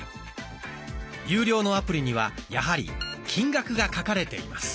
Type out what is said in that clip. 有料のアプリにはやはり金額が書かれています。